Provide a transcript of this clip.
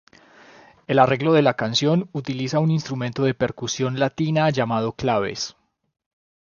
El arreglo de la canción utiliza un instrumento de percusión latina llamado claves.